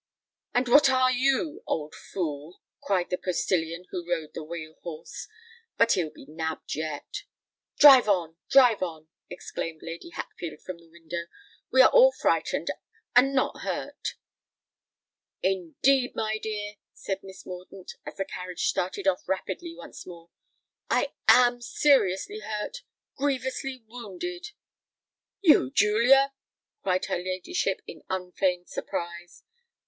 "And what are you, old fool?" cried the postillion who rode the wheel horse. "But he'll be nabbed yet." "Drive on—drive on!" exclaimed Lady Hatfield from the window. "We are all frightened—and not hurt." "Indeed, my dear," said Miss Mordaunt, as the carriage started off rapidly once more, "I am seriously hurt—grievously wounded!" "You, Julia!" cried her ladyship, in unfeigned surprise.